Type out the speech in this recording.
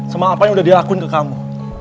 sama apa yang udah di lakuin ke kamu